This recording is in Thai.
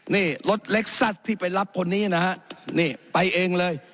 นี่รถเล็กซัดที่ไปรับคนนี้นะฮะนี่ไปเองเลย